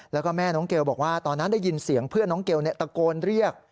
แล้วก็แม่น้องเกลบอกว่าตอนนั้นได้ยินเสียงเพื่อนน้องเกลตะโกนเรียก